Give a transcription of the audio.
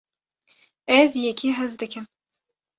ez yekî hez dikim